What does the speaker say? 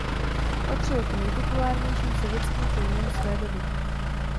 Patřil k nejpopulárnějším sovětským filmům své doby.